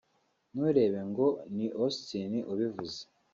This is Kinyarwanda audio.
nturebe ngo ni Austin ubivuze